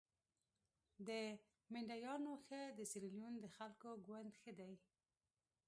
د مینډیانو ښه د سیریلیون د خلکو ګوند ښه دي.